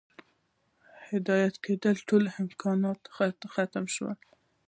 د هدايت كېدو ټول امكانات ئې ختم شي